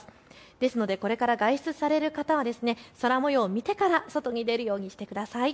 ですのでこれから外出される方は空もようを見てから外に出るようにしてください。